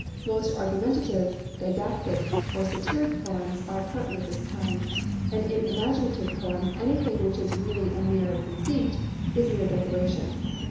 Most argumentative, didactic, or satiric poems are partly of this kind; and in imaginative poems anything which is really a mere 'conceit' is mere decoration.